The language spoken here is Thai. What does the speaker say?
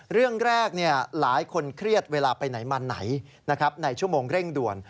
เรื่องแรกหลายคนเครียดเวลาไปไหนมาไหนในชั่วโมงเร่งด่วน